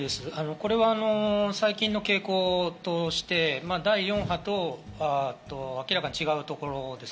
これは最近の傾向として第４波と明らかに違うところです。